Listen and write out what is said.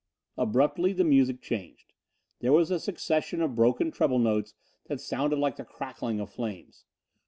Abruptly the music changed. There was a succession of broken treble notes that sounded like the crackling of flames.